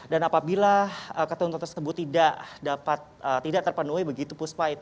dan apabila ketentuan tersebut tidak terpenuhi begitu puspa